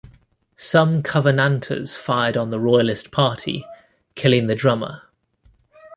Some Covenanters fired on the Royalist party, killing the drummer.